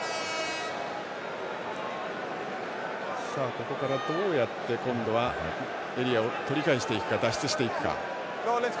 ここから、どうやって今度はエリアを取り返していくか脱出していくか。